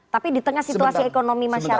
tapi di tengah situasi ekonomi masyarakat